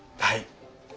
はい。